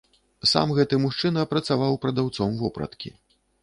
Сам гэты мужчына працаваў прадаўцом вопраткі.